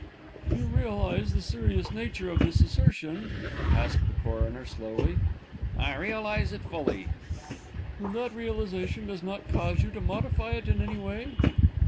"You realise the serious nature of this assertion?" asked the coroner, slowly. "I realise it fully." "And that realisation does not cause you to modify it in any way?"